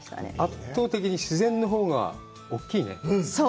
圧倒的に自然のほうが大きいね。